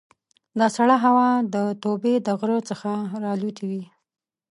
دا سړه هوا د توبې د غره څخه را الوتې وي.